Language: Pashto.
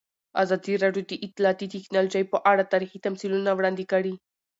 ازادي راډیو د اطلاعاتی تکنالوژي په اړه تاریخي تمثیلونه وړاندې کړي.